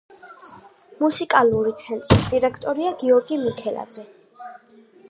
მუსიკალური ცენტრის დირექტორია გიორგი მიქელაძე.